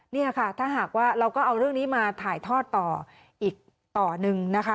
นี่ค่ะถ้าหากว่าเราก็เอาเรื่องนี้มาถ่ายทอดต่ออีกต่อหนึ่งนะคะ